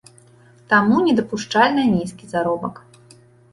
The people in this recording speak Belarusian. Таму недапушчальна нізкі заробак.